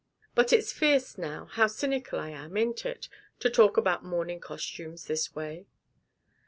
But it's fierce, now, how cynical I am, ain't it? to talk about mourning costumes this way.